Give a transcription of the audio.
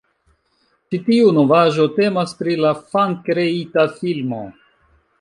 Ĉi tiu novaĵo temas pri la fankreita filmo